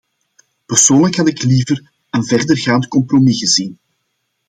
Persoonlijk had ik liever een verdergaand compromis gezien.